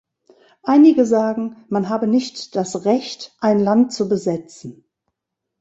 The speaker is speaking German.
Einige sagen, man habe nicht das Recht, ein Land zu besetzen.